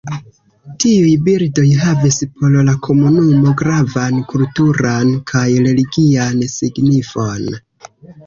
Tiuj bildoj havis por la komunumo gravan kulturan kaj religian signifon.